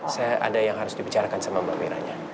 saya ada yang harus dibicarakan sama mbak wiranya